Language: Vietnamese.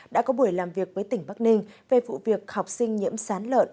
đã có buổi làm việc với tỉnh bắc ninh về vụ việc học sinh nhiễm sán lợn